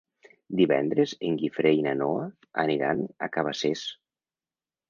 Divendres en Guifré i na Noa aniran a Cabacés.